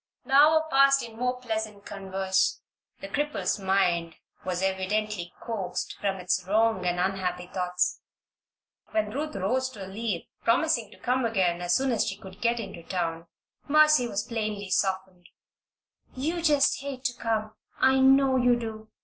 The hour passed in more pleasant converse. The cripple's mind was evidently coaxed from its wrong and unhappy thoughts. When Ruth rose to leave, promising to come again as soon as she could get into town, Mercy was plainly softened. "You just hate to come I know you do!"